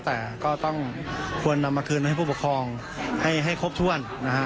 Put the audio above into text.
แต่ก็ควรนำมาคืนให้ผู้ปกครองให้ครบถ้วน